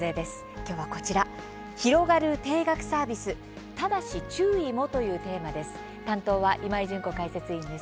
きょうはこちら広がる「定額サービス」ただし注意も、というテーマです。